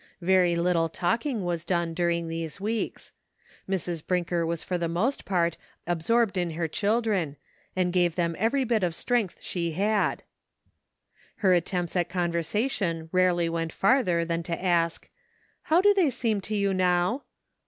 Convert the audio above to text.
Very little talking was done during these weeks. Mrs. Brinker was for the most part absorbed in her children, and gave them every, bit of strength she J) ad. Her attempts at conversation rarely weot farther than to ask, "How do they seem to you now?"